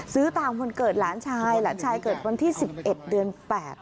ซื้อตามวันเกิดหลานชายหลานชายเกิดวันที่๑๑เดือน๘